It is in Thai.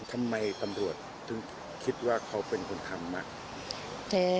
ทำไมตำรวจคิดว่าเค้าเป็นคนทำมะ